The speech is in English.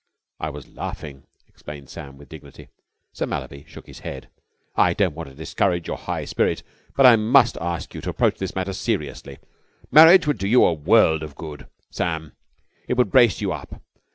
"I was laughing," explained Sam with dignity. Sir Mallaby shook his head. "I don't want to discourage your high spirit, but I must ask you to approach this matter seriously. Marriage would do you a world of good, Sam. It would brace you up.